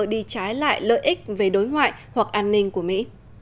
đi trái lại lợi ích về đối ngoại hoặc an ninh của mỹ